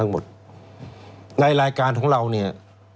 หมดในรายการของเราเนี่ย